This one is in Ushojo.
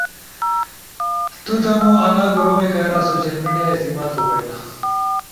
ُو تمو آنا کرومے کارا سوشل میڈیا استعمال تو بئیلا۔